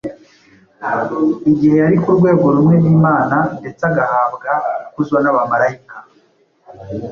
igihe yari ku rwego rumwe n’Imana ndetse agahabwa ikuzo n’abamarayika.